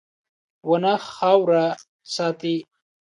• ونه خاوره ساتي.